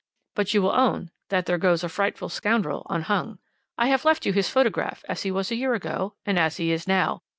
But you will own that there goes a frightful scoundrel unhung. I have left you his photograph as he was a year ago, and as he is now.